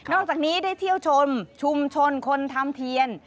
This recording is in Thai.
อกจากนี้ได้เที่ยวชมชุมชนคนทำเทียน